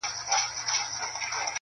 نوي نوي تختې غواړي {قاسم یاره